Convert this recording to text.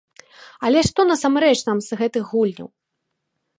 Але што насамрэч нам з гэтых гульняў?